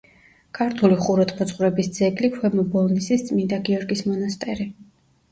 ქართული ხუროთმოძღვრების ძეგლი ქვემო ბოლნისის წმინდა გიორგის მონასტერი.